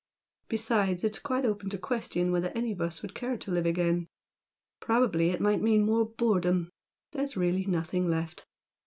Besides it's quite open to question whether any of us would care to live again. Probably it might mean more boredom. There's really nothing left.